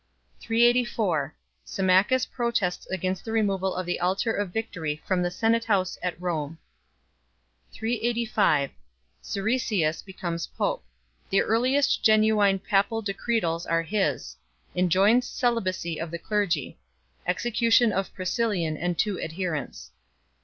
384 Symmachus protests against the removal of the altar of Victory from the Senate house at Rome. 385 Siricius becomes Pope. The earliest genuine papal decretals are his. Enjoins celibacy of the clergy. Execution of Priscillian and two adherents.